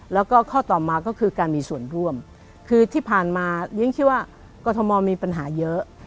แล้วก็ข้อต่อมาก็คือการมีส่วนร่วมคือที่ผ่านมาเรียนคิดว่ากรทมมีปัญหาเยอะ